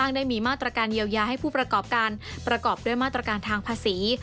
ได้มีมาตรการเยียวยาให้ผู้ประกอบการประกอบด้วยมาตรการทางภาษี